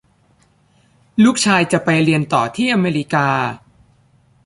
ลูกชายจะไปเรียนต่อที่อเมริกา